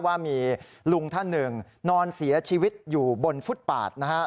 ว่ามีลุงท่านหนึ่งนอนเสียชีวิตอยู่บนฟุตปาดนะครับ